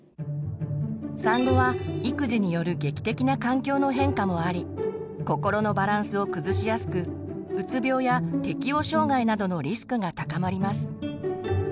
産後は育児による劇的な環境の変化もあり心のバランスを崩しやすくうつ病や適応障害などのリスクが高まります。